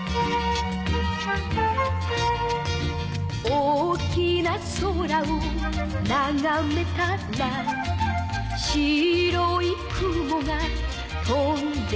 「大きな空をながめたら」「白い雲が飛んでいた」